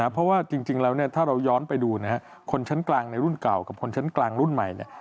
เพราะว่าจริงแล้วถ้าเราย้อนไปดูคนชั้นกลางในรุ่นเก่ากับคนชั้นกลางรุ่นใหม่